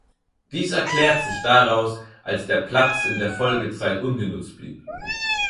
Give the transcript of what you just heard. Dies erklärt sich daraus, als der Platz in der Folgezeit ungenutzt blieb.